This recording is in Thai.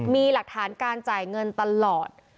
มีหลักฐานการจ่ายเงินตลอด